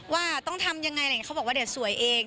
ว่าต้องทำอย่างไรเขาบอกว่าสวยเอง